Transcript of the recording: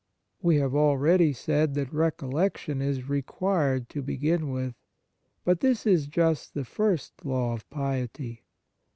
We have already said that recol lection is required to begin with; but this is just the first law of piety.